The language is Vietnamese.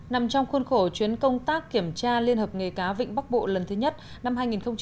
nằm trong khuôn khổ chuyến công tác kiểm tra liên hợp nghề cá vịnh bắc bộ lần thứ nhất năm hai nghìn hai mươi